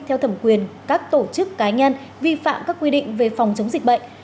theo thẩm quyền các tổ chức cá nhân vi phạm các quy định về phòng chống dịch bệnh